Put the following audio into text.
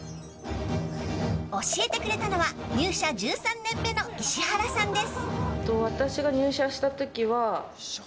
教えてくれたのは入社１３年目の石原さんです。